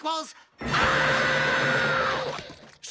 あ！